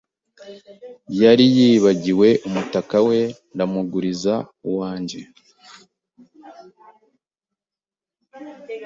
Yari yibagiwe umutaka we ndamuguriza uwanjye.